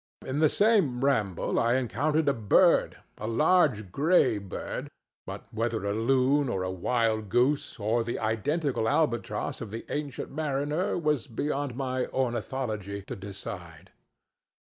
In the same ramble I encountered a bird—a large gray bird—but whether a loon or a wild goose or the identical albatross of the Ancient Mariner was beyond my ornithology to decide.